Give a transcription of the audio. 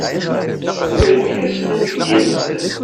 Yerwel-asen uydi-nsen.